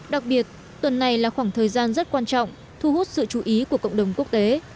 đặc biệt tuần này là khoảng thời gian rất quan trọng thu hút sự chú ý của cộng đồng quốc tế